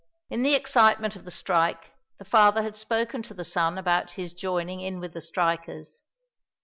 In the excitement of the strike the father had spoken to the son about his joining in with the strikers.